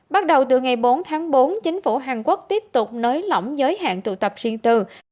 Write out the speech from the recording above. bắt đầu từ ngày bốn tháng bốn chính phủ hàn quốc tiếp tục nới lỏng giới hạn tụ tập riêng từ